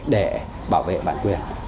để bảo vệ bản quyền